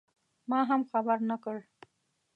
ما هم خبر نه کړ.